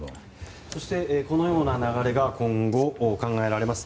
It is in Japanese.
そして、このような流れが今後考えられます。